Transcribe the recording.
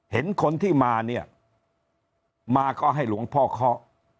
เห็นคนที่มาเนี่ยมาก็ให้หลวงพ่อเคาะ